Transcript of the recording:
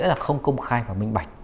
có nghĩa là không công khai và minh bạch